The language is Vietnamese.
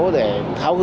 để tháo gỡ